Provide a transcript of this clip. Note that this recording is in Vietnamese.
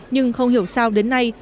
nhưng không hiểu sao đến nay